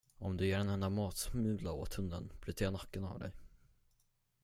Om du ger en enda matsmula åt hunden bryter jag nacken av dig.